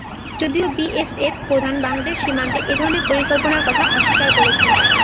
যদিও বিএসএফ প্রধান বাংলাদেশ সীমান্তে এ ধরনের পরিকল্পনার কথা অস্বীকার করেছেন।